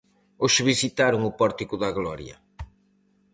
Hoxe visitaron o pórtico da Gloria.